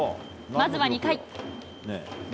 まずは２回。